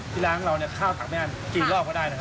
ที่ร้านของเราเนี่ยข้าวตักแม่นกินรอบก็ได้นะครับ